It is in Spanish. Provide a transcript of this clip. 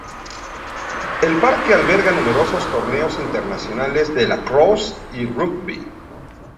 El parque alberga numerosos torneos internacionales de lacrosse y rugby.